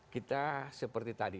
kita seperti tadi